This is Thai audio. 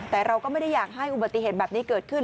แต่เราก็ไม่ได้อยากให้อุบัติเหตุแบบนี้เกิดขึ้น